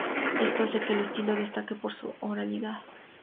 Esto hace que el estilo destaque por su oralidad.